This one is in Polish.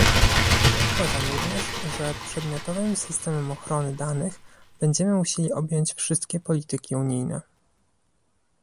Uważam również, że przedmiotowym systemem ochrony danych będziemy musieli objąć wszystkie polityki unijne